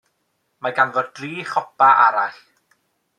Mae ganddo dri chopa arall.